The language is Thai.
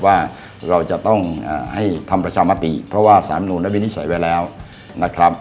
ว่าเราจะต้องให้ทำประชามติเพราะว่าสารมนุนได้วินิจฉัยไว้แล้วนะครับ